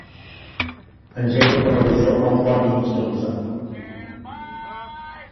Engega el televisor a un quart i mig d'onze.